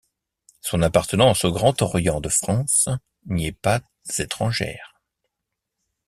Son appartenance au Grand orient de France n’y est pas étrangère.